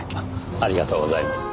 ありがとうございます。